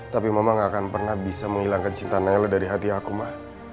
tapi mama gak akan pernah bisa menghilangkan cinta naila dari hati aku mah